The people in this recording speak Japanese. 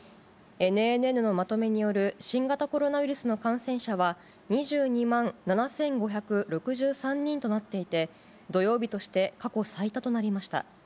ＮＮＮのまとめによる新型コロナウイルスの感染者は、２２万７５６３人となっていて、土曜日として過去最多となりました。